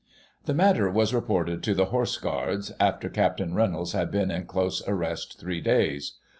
" The matter was reported to the Horse Guards, after Capt. Reynolds had been in close arrest three days.